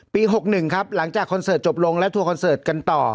ปีหกหนึ่งครับหลังจากคอนเสิร์ตจบลงและทั่วคอนเสิร์ตกันต่อ